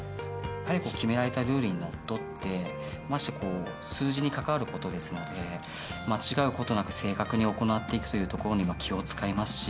やはり決められたルールにのっとってましてこう数字に関わる事ですので間違う事なく正確に行っていくというところには気を遣いますし。